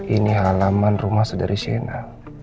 ini halaman rumah saudari siena